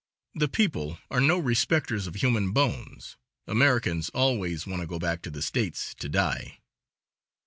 The people are no respecters of human bones; Americans always want to go back to the States to die.